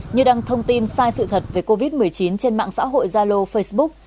như đăng thông tin sai sự thật về covid một mươi chín trên mạng xã hội gia lô facebook